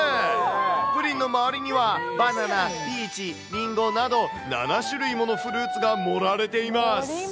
プリンの周りには、バナナ、ピーチ、リンゴなど、７種類ものフルーツが盛られています。